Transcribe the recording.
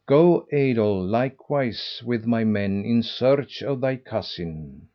Go, Eidoel, likewise with my men in search of thy cousin.